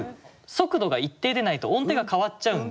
速度が一定でないと音程が変わっちゃうんですよ。